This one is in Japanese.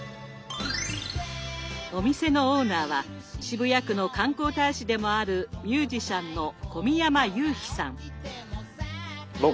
お店のオーナーは渋谷区の観光大使でもあるミュージシャンの僕